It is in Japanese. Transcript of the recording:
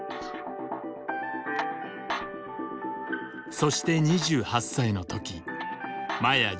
そして２８歳の時麻也自身も